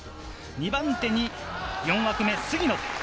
２番手に４枠目、杉野。